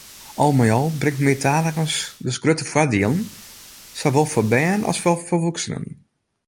Al mei al bringt meartaligens dus grutte foardielen, sawol foar bern as foar folwoeksenen.